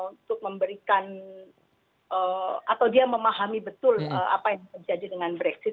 untuk memberikan atau dia memahami betul apa yang terjadi dengan brexit